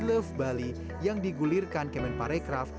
kegiatan program we love bali yang digulirkan kemen parekraf